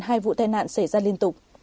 hai vụ tai nạn xảy ra liên tục